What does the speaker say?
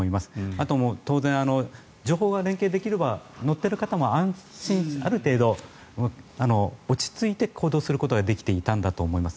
あと当然、情報が連携できれば乗っている方も安心ある程度、落ち着いて行動することができていたんだと思います。